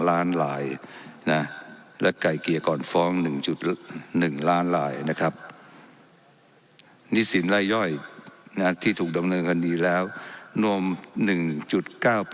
ล้านรายนะและไก่เกลี่ยก่อนฟ้องหนึ่งจุด